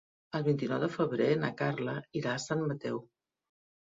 El vint-i-nou de febrer na Carla irà a Sant Mateu.